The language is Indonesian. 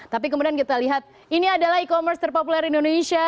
tapi kemudian kita lihat ini adalah e commerce terpopuler indonesia